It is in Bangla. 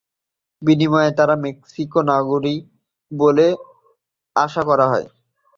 বিনিময়ে তারা মেক্সিকোর নাগরিক হবে বলে আশা করা হয়।